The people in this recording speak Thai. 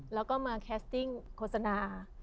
แล้วก็มาแคสติ้งโฆษณา